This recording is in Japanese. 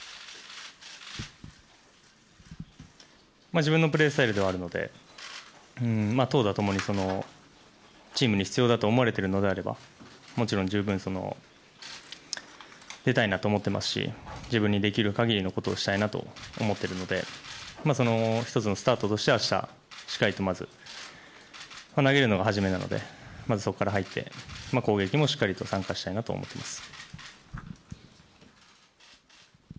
自分のプレースタイルではあるので投打共にチームに必要だと思われているのであればもちろん十分出たいなと思っていますし自分にできる限りのことをしたいなと思っているのでその１つのスタートして明日しっかりと投げるのが初めなのでまずはそこから入って攻撃も参加したいなと思っています。